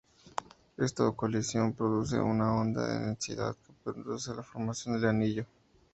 Esta colisión produce una onda de densidad que conduce a la formación del anillo.